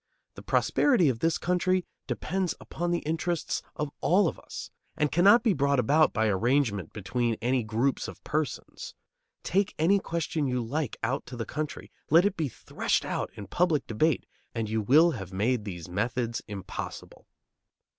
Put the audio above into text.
The prosperity of this country depends upon the interests of all of us and cannot be brought about by arrangement between any groups of persons. Take any question you like out to the country, let it be threshed out in public debate, and you will have made these methods impossible.